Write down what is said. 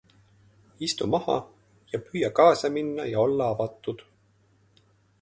Istu maha ja püüa kaasa minna ja olla avatud.